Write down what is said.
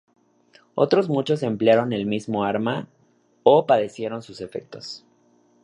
Otros muchos emplearon el mismo arma o padecieron sus efectos.